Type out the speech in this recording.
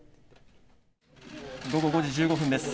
午後５時１５分です。